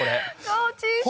顔小さい！